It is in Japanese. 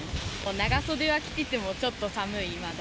長袖着ててもちょっと寒い、まだ。